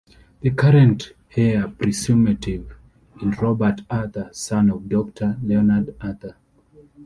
The current heir presumptive is Robert Arthur, son of Doctor Leonard Arthur.